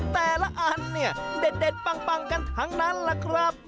แต่ละอันเนี่ยเด็ดปังกันทั้งนั้นล่ะครับ